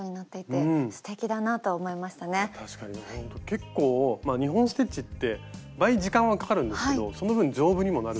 結構２本ステッチって倍時間はかかるんですけどその分丈夫にもなるし。